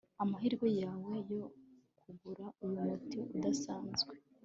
amahirwe yawe yo kugura uyu muti udasanzwe